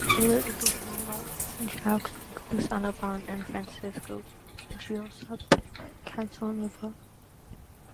He was the brother of the well-known Giacomo Casanova and Francesco Giuseppe Casanova.